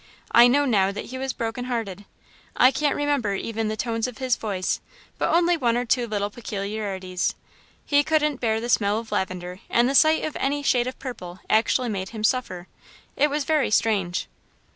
I know now that he was broken hearted. I can't remember even the tones of his voice, but only one or two little peculiarities. He couldn't bear the smell of lavender and the sight of any shade of purple actually made him suffer. It was very strange.